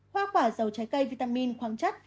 hoa quả dầu trái cây vitamin khoáng chất